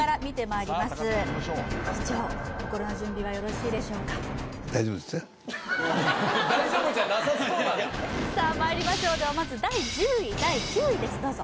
まいりましょうではまず第１０位第９位ですどうぞ